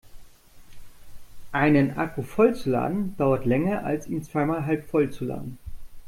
Einen Akku voll zu laden dauert länger als ihn zweimal halbvoll zu laden.